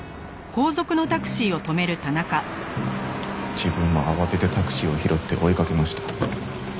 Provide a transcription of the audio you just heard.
自分も慌ててタクシーを拾って追いかけました。